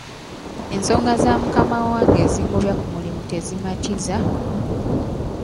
Ensonga za mukama wange ezingobya ku mulimu tezimatiza.